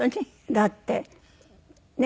だってね